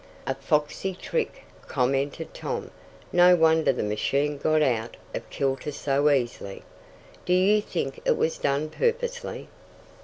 "A foxy trick," commented Tom. "No wonder the machine got out of kilter so easily." "Do you think it was done purposely?"